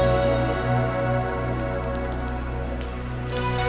terima kasih ya